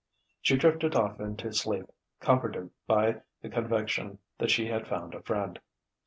She drifted off into sleep, comforted by the conviction that she had found a friend.